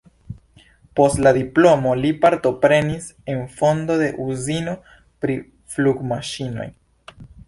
Post la diplomo li partoprenis en fondo de uzino pri flugmaŝinoj.